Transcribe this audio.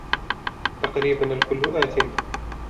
تقريبا الكل اتي